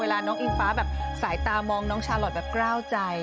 น้องอิงฟ้าแบบสายตามองน้องชาลอทแบบกล้าวใจ